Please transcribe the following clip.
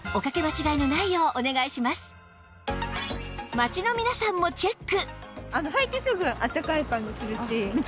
街の皆さんもチェック